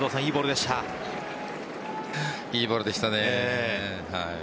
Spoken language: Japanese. いいボールでしたね。